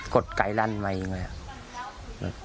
กดไกร่รัฐดีมาเองเลยครับ